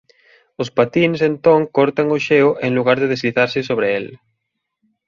Os patíns entón cortan o xeo en lugar de deslizarse sobre el.